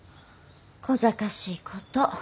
こざかしいこと。